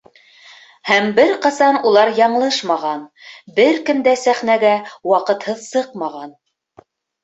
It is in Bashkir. Һәм бер ҡасан улар яңлышмаған, бер кем дә сәхнәгә ваҡытһыҙ сыҡмаған.